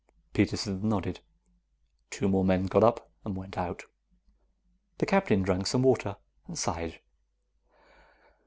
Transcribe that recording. Peterson nodded. Two more men got up and went out. The Captain drank some water and sighed.